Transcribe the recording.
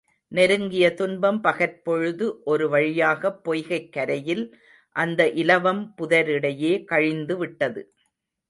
நெருங்கிய துன்பம் பகற்பொழுது ஒரு வழியாகப் பொய்கைக் கரையில் அந்த இலவம் புதரிடையே கழிந்துவிட்டது.